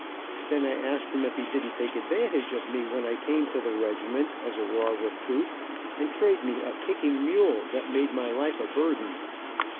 Then I asked him if he didn't take advantage of me when I came to the regiment, as a raw recruit, and trade me a kicking mule, that made my life a burden.